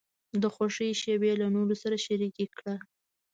د خوښۍ شیبې له نورو سره شریکې کړه.